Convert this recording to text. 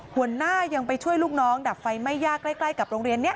หัวหน้ายังไปช่วยลูกน้องดับไฟไม่ยากใกล้กับโรงเรียนนี้